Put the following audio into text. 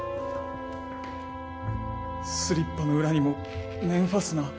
スリッパの裏にも面ファスナー。